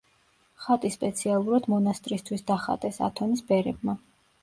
ხატი სპეციალურად მონასტრისთვის დახატეს ათონის ბერებმა.